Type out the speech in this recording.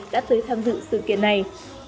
đã tới tham dự sự kiện này